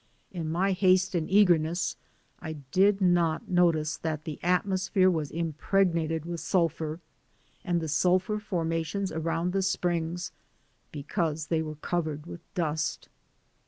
In my haste and eagerness I did not notice that the at mosphere was impregnated with sulphur, and the sulphur formations around the springs, because they were covered with dust.